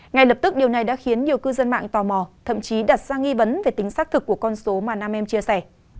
ngay lập tức điều này đã khiến nhiều cư dân mạng tò mò thậm chí đặt ra nghi vấn về tính xác thực của con số mà nam em chia sẻ